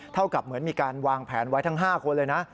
เท่ากับเหมือนมีการวางแผนไว้ทั้ง๕คนเลยนะ